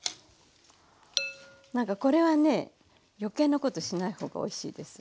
なんかこれはね余計なことしない方がおいしいです。